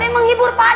saya menghibur pak d